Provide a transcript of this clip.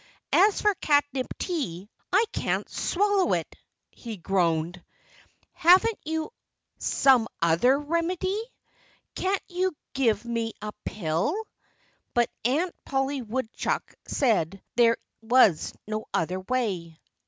As for catnip tea, I can't swallow it!" he groaned. "Haven't you some other remedy? Can't you give me a pill?" But Aunt Polly Woodehuck said there was no other way.